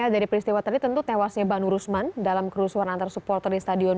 dari peristiwa tadi tentu tewasnya banu rusman dalam kerusuhan antar supporter di stadion